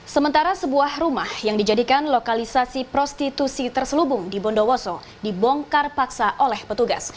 sementara sebuah rumah yang dijadikan lokalisasi prostitusi terselubung di bondowoso dibongkar paksa oleh petugas